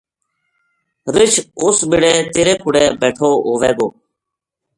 رچھ اُس بِڑے تیرے کوڑے بیٹھو ھووے گو